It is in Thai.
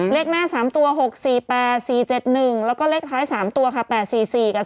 เลขหน้า๓ตัว๖๔๘๔๗๑แล้วก็เลขท้าย๓ตัวค่ะ๘๔๔กับ๒